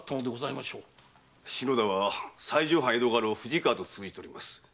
篠田は西条藩江戸家老・藤川と通じております。